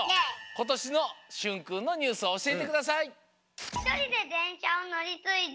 ことしのしゅんくんのニュースおしえてください。